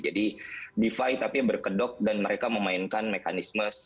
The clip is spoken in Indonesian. jadi defi tapi berkedok dan mereka memainkan mekanisme